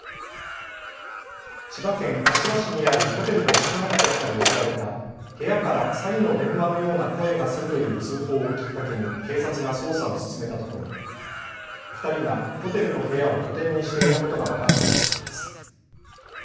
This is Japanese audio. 千葉県柏市にあるホテルの宿泊客から寄せられた部屋から詐欺の電話のような声がするという通報をきっかけに警察が捜査を進めたところ２人がホテルの部屋を拠点にしていたことが分かったということです。